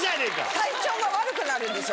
体調が悪くなるんですよ。